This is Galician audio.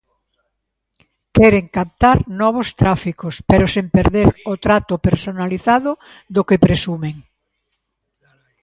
Queren captar novos tráficos, pero sen perder o trato personalizado do que presumen.